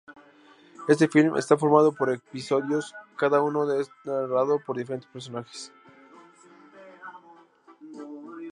Este film está formado por episodios, cada uno está narrado por diferentes personajes.